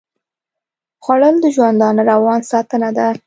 خوړل د ژوندانه روان ساتنه ده